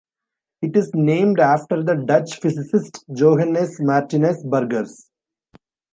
It is named after the Dutch physicist Johannes Martinus Burgers.